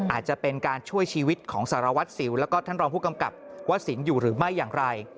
อาจจะเป็นการช่วยชีวิตของสารวัตรสิวแล้วก็ท่านรองผู้กำกับวัสสินอยู่หรือไม่อย่างไร